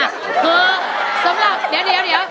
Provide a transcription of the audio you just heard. สำหรับเดี๋ยว